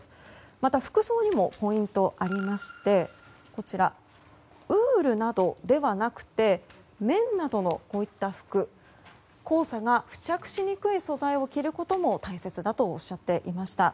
また、服装にもポイントがありましてウールなどではなくて綿などの服黄砂が付着しにくい素材を着ることも大切だとおっしゃっていました。